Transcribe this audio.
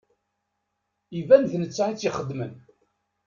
Iban d netta i tt-ixedmen.